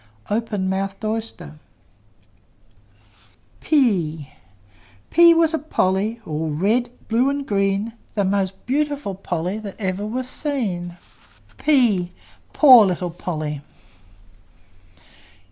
Open mouthed oyster! P P was a polly, All red, blue, and green, The most beautiful polly That ever was seen. p! Poor little polly!